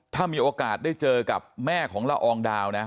ถ้ามีโอกาสได้เจอกับแม่ของละอองดาวนะ